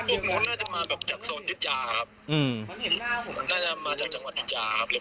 เพราะว่าพวกมันน่าจะมาแบบจากส่วนติดยาครับน่าจะมาจากจังหวัดติดยาครับ